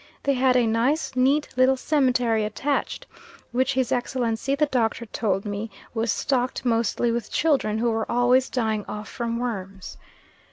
They had a nice, neat little cemetery attached, which his excellency the doctor told me was "stocked mostly with children, who were always dying off from worms."